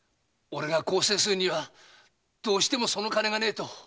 俺が更生するにはどうしてもその金がないと。